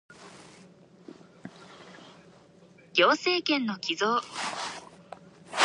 行政権の帰属